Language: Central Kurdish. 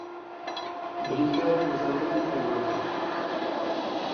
بریکاری وەزارەتی پەروەردە